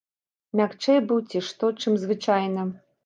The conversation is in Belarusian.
Мякчэй быў ці што, чым звычайна.